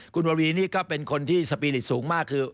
คุณวาวีนี่ก็เป็นคนที่สปีริตสูงมากคือ